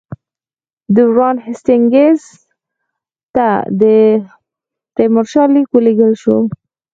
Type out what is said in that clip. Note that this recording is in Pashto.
د وارن هېسټینګز ته د تیمورشاه لیک ولېږل شو.